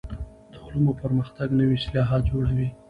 د علومو پرمختګ نوي اصطلاحات جوړوي.